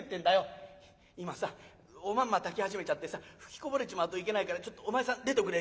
「今さおまんま炊き始めちゃってさ吹きこぼれちまうといけないからちょっとお前さん出ておくれよ」。